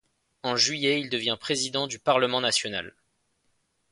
En juillet, il devient président du parlement national.